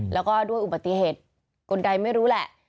แล้วก็ด้วยอุบัติเหตุคนใดไม่รู้แหละ